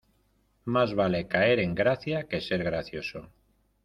Más vale caer en gracia que ser gracioso.